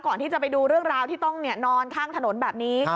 ไปดูเรื่องราวที่ต้องนอนข้างถนนแบบนี้